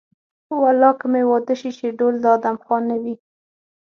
والله که مې واده شي چې ډول د ادم خان نه وي.